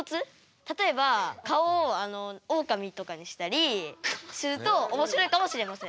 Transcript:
例えば顔をおおかみとかにしたりするとおもしろいかもしれません。